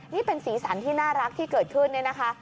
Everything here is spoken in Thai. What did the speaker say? นี่เป็นสีสันที่น่ารักที่เกิดขึ้นเนี่ยนะคะ